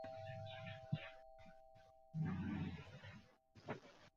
গতকাল সকালে শ্রীমতী বাজারে গরু নিয়ে আসতে বাধা দেয় শাখাইতি বাজারের লোকজন।